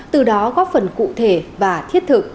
từ đó góp phần cụ thể và thiết thực